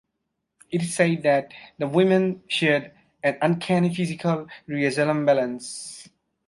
It is said that the two women shared "an uncanny physical resemblance".